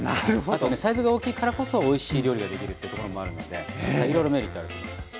あとねサイズが大きいからこそおいしい料理ができるってところもあるのでいろいろメリットあると思います。